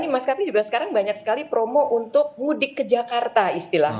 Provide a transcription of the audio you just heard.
mas kapi juga sekarang banyak sekali promo untuk mudik ke jakarta istilahnya